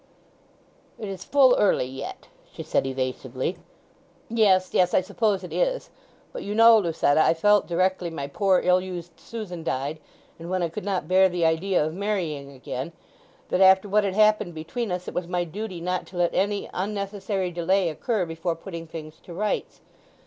"It is full early yet," she said evasively. "Yes, yes; I suppose it is. But you know, Lucetta, I felt directly my poor ill used Susan died, and when I could not bear the idea of marrying again, that after what had happened between us it was my duty not to let any unnecessary delay occur before putting things to rights.